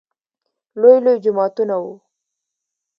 لوى لوى جوماتونه وو.